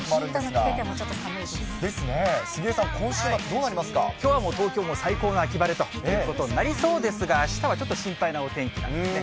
上着着ててもちょっと寒いで杉江さん、今週末、どうなりきょうはもう東京は最高の秋晴れということになりそうですが、あしたはちょっと心配なお天気なんですね。